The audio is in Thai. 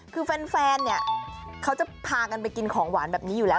คือแฟนเนี่ยเขาจะพากันไปกินของหวานแบบนี้อยู่แล้ว